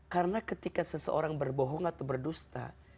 karena ketika seseorang berbohong atau berdusta